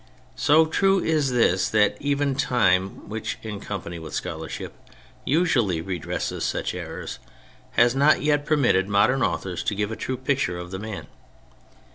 So true is this that even time, which (in company with scholarship) usually redresses such errors, has not yet permitted modem authors to give a true picture of the man.